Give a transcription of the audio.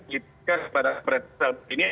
diberikan kepada perintah ini